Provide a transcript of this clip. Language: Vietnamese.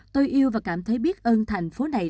tôi yêu và cảm thấy biết ơn thành phố này